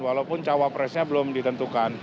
walaupun cawapresnya belum ditentukan